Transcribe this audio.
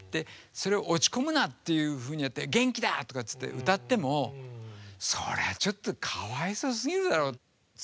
それを「落ち込むな」っていうふうにやって「元気だ」とかって歌ってもそれはちょっとかわいそうすぎるだろうって。